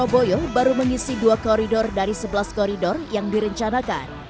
surabaya baru mengisi dua koridor dari sebelas koridor yang direncanakan